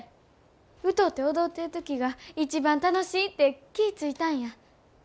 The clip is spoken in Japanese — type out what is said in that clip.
歌うて踊ってる時が一番楽しいって気ぃ付いたんや。